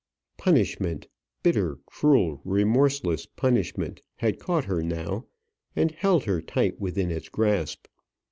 Punishment bitter, cruel, remorseless punishment had caught her now, and held her tight within its grasp.